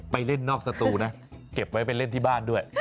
ไปเล่นนอกสตูนะเก็บไว้ไปเล่นที่บ้านด้วย